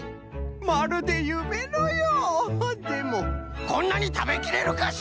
まるでゆめのようでもこんなにたべきれるかしら！？